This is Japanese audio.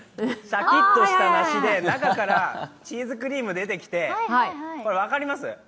シャキッとした梨で、中からチーズクリーム出てきて分かります？